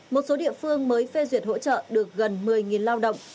một số địa phương mới phê duyệt hỗ trợ được gần một mươi lao động